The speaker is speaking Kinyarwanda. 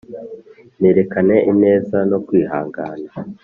nerekane ineza no kwihangana